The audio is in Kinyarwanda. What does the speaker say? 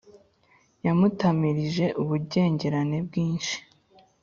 Yamutamirije ububengerane bwinshi,